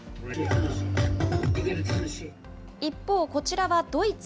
一方、こちらはドイツ。